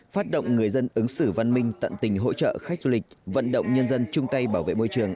phát động người dân ứng xử văn minh tận tình hỗ trợ khách du lịch vận động nhân dân chung tay bảo vệ môi trường